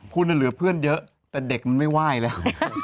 คุณเหลือเพื่อนเยอะแต่เด็กมันไม่ไหว้แล้ว